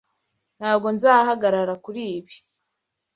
Ntabwo nzahagarara kuri ibi.